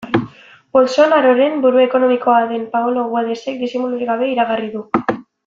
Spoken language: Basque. Bolsonaroren buru ekonomikoa den Paolo Guedesek disimulurik gabe iragarri du.